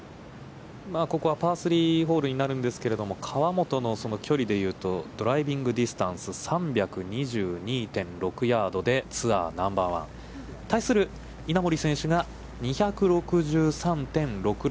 ここはパー３ホールになるんですけれども、河本の距離で言うと、ドライビングディスタンス、３２２．６ヤードでツアーナンバーワン。対する稲森選手が２６３．６６で１０４位。